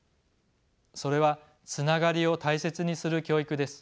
それはつながりを大切にする教育です。